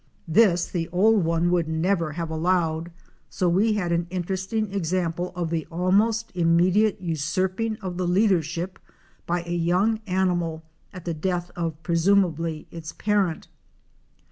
This the old one would never have allowed, so we had an interesting example of the almost immediate usurping of the leadership by a young animal, at the death of presumably its parent.